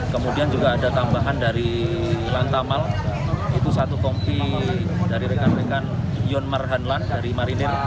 kemudian juga ada tambahan dari lantamal itu satu kompi dari rekan rekan yonmar hanlan dari marinir